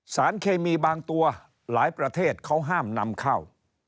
สารเคมีบางตัวหลายประเทศเขาห้ามนำเข้า